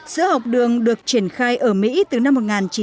sữa học đường được triển khai ở mỹ từ năm một nghìn chín trăm chín mươi